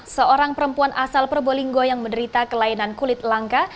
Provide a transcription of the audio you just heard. seorang perempuan asal probolinggo yang menderita kelainan kulit langka